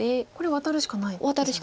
ワタるしかないです。